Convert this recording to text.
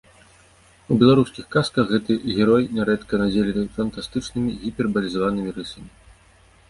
У беларускіх казках гэты герой нярэдка надзелены фантастычнымі гіпербалізаванымі рысамі.